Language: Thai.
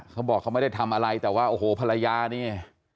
เขาบอกเขาไม่ได้ทำอะไรแต่ว่าโอ้โหภรรยานี่